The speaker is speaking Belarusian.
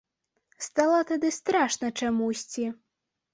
Стала тады страшна чамусьці.